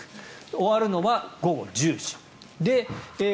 終わるのは午後１０時。